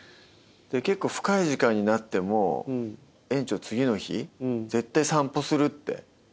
結構深い時間になっても園長次の日絶対散歩するって。